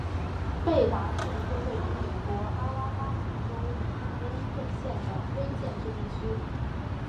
贝达是一个位于美国阿拉巴马州卡温顿县的非建制地区。